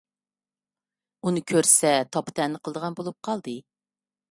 ئۇنى كۆرسە تاپا - تەنە قىلىدىغان بولۇپ قالدى.